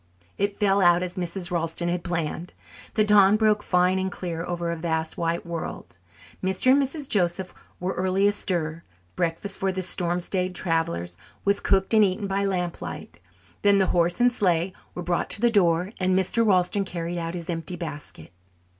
It fell out as Mrs. Ralston had planned. The dawn broke fine and clear over a vast white world. Mr. and Mrs. Joseph were early astir; breakfast for the storm stayed travellers was cooked and eaten by lamplight; then the horse and sleigh were brought to the door and Mr. Ralston carried out his empty basket.